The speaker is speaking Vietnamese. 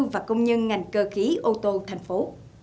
và công nhân ngành cơ khí ô tô thành phố